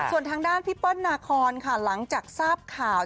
ส่วนทางด้านพี่เปิ้ลนาคอนค่ะหลังจากทราบข่าว